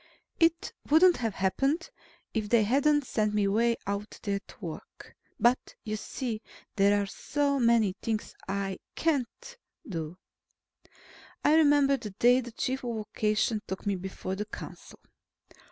It wouldn't have happened, if they hadn't sent me way out there to work. But, you see, there are so many things I can't do. I remember the day the Chief of Vocation took me before the council.